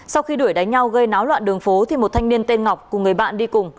sau khi đuổi đánh nhau gây náo loạn đường phố thì một thanh niên tên ngọc cùng người bạn đi cùng